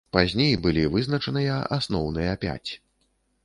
Пазней былі вызначаныя асноўныя пяць.